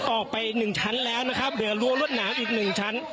ออกไปหนึ่งชั้นแล้วนะครับเหลือรั้วรวดหนามอีกหนึ่งชั้น